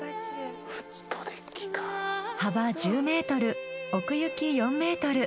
幅１０ｍ奥行き４ｍ。